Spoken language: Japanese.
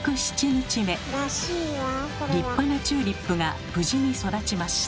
立派なチューリップが無事に育ちました。